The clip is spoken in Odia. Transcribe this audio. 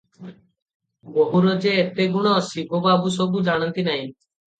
ବୋହୂର ଯେ ଏତେ ଗୁଣ, ଶିବୁ ବାବୁ ସବୁ ଜାଣନ୍ତି ନାହିଁ ।